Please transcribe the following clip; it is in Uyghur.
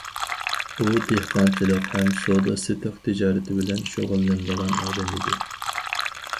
ئۇ دېھقانچىلىق ھەم سودا- سېتىق تىجارىتى بىلەن شۇغۇللىنىدىغان ئادەم ئىدى.